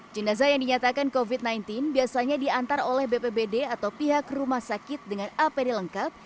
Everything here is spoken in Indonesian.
jenazah yang dinyatakan covid sembilan belas biasanya diantar oleh bpbd atau pihak rumah sakit dengan apd lengkap